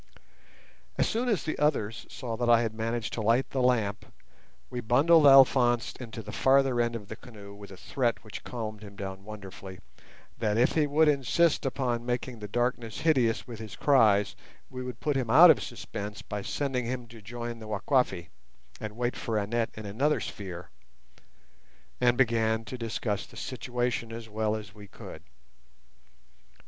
As soon as the others saw that I had managed to light the lamp, we bundled Alphonse into the farther end of the canoe with a threat which calmed him down wonderfully, that if he would insist upon making the darkness hideous with his cries we would put him out of suspense by sending him to join the Wakwafi and wait for Annette in another sphere, and began to discuss the situation as well as we could.